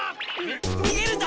にげるんだ！